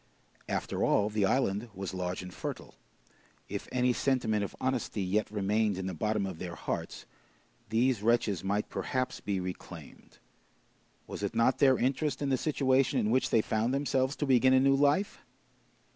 After all, the island was large and fertile. If any sentiment of honesty yet remained in the bottom of their hearts, these wretches might perhaps be reclaimed. Was it not their interest in the situation in which they found themselves to begin a new life?